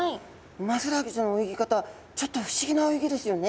ウマヅラハギちゃんの泳ぎ方ちょっと不思議な泳ぎですよね。